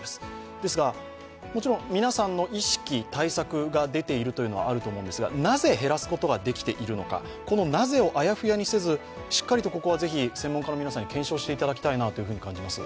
ですが、もちろん皆さんの意識、対策が出ているというのもあると思うんですがなぜ減らすことができているのか、なぜをあやふやにせずしっかりと専門家の皆さんに検証してもらいたいなと思います。